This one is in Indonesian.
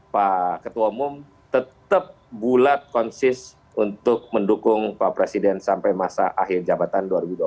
pak ketua umum tetap bulat konsis untuk mendukung pak presiden sampai masa akhir jabatan dua ribu dua puluh